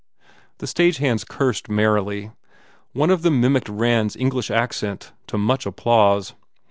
The stage hands cursed merrily. One of them mimicked Rand s English accent to much applause.